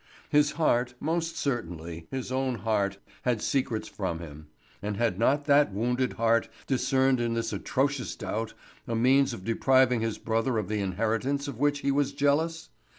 His heart, most certainly, his own heart had secrets from him; and had not that wounded heart discerned in this atrocious doubt a means of depriving his brother of the inheritance of which he was jealous?